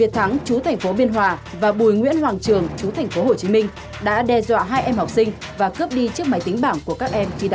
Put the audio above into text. trong chương trình an ninh ngày mới sáng ngày